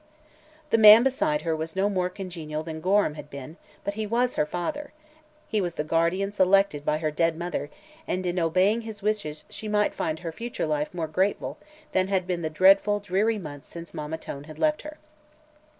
The man beside her was no more congenial than Gorham had been, but he was her father; he was the guardian selected by her dead mother, and in obeying his wishes she might find her future life more grateful than had been the dreadful dreary months since Mamma Tone had left her.